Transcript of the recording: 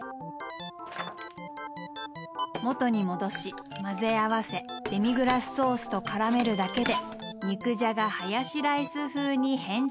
元に戻し混ぜ合わせデミグラスソースと絡めるだけで肉じゃがハヤシライス風に変身。